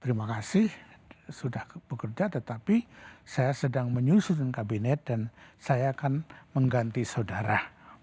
terima kasih sudah bekerja tetapi saya sedang menyusun kabinet dan saya akan mengganti saudara